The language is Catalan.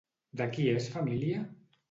De qui és família?